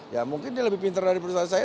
ya mungkin dia lebih pintar dari perusahaan saya